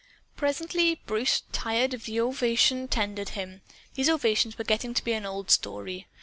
Presently Bruce tired of the ovation tendered him. These ovations were getting to be an old story.